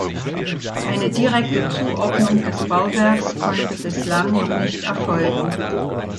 Eine direkte Zuordnung des Bauwerks konnte bislang noch nicht erfolgen.